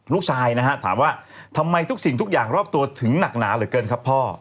ลูกชายนะฮะถามว่าทำไมทุกสิ่งทุกอย่างรอบตัวถึงหนักหนาเหลือเกินครับพ่อ